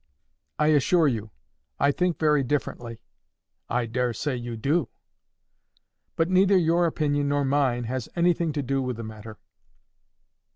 "I assure you, I think very differently." "I daresay you do." "But neither your opinion nor mine has anything to do with the matter."